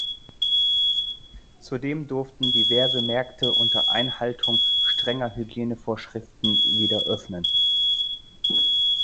Zudem durften diverse Märkte unter Einhaltung strenger Hygienevorschriften wieder öffnen.